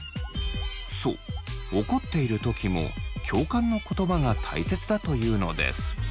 そう怒っている時も共感の言葉が大切だというのです。